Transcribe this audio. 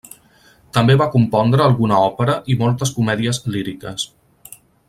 També va compondre alguna òpera i moltes comèdies líriques.